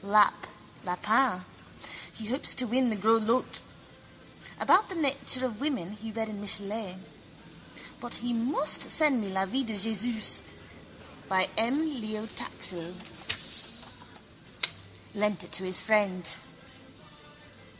Lap, lapin. He hopes to win in the gros lots. About the nature of women he read in Michelet. But he must send me La Vie de Jésus by M. Léo Taxil. Lent it to his friend.